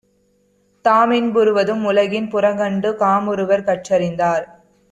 தாமின்புறுவது உலகின் புறக்கண்டு காமுறுவர் கற்றறிந்தார்.